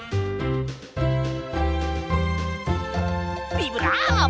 ビブラーボ！